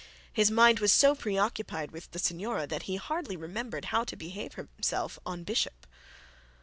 His mind was so preoccupied with the signora, that he hardly remembered how to behave himself en bishop.